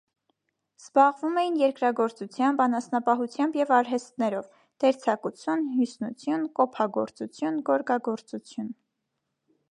Զբաղվում էին երկրագործությամբ, անասնապահությամբ և արհեստներով (դերձակություն, հյուսնություն, կոփագործություն, գորգագործություն)։